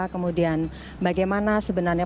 kemudian bagaimana sebenarnya